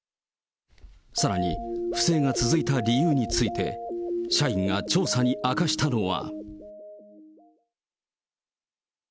さらに、不正が続いた理由について、社員が調査に明かしたのは。